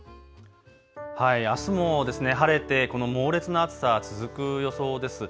あすも晴れてこの猛烈な暑さ続く予想です。